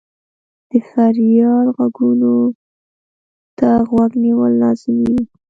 د فریاد ږغونو ته غوږ نیول لازمي وي.